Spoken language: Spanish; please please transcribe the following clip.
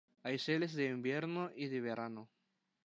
Hay seles de invierno y de verano.